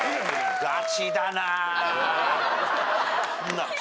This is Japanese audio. ガチだなぁ。